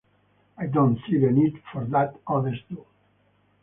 I don't see the need for that; others do.